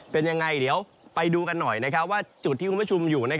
เป็นยังไงเดี๋ยวไปดูกันหน่อยว่าจุดที่คุณผู้ชมอยู่